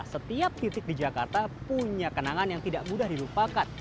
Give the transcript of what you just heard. setiap titik di jakarta punya kenangan yang tidak mudah dilupakan